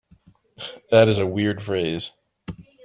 That is a weird phrase.